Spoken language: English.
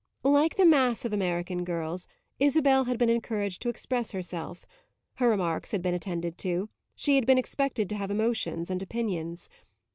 Like the mass of American girls Isabel had been encouraged to express herself; her remarks had been attended to; she had been expected to have emotions and opinions.